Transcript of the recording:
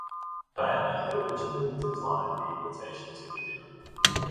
Diana had originally declined the invitation to the dinner.